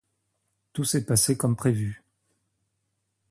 Tout s'est passé comme prévu.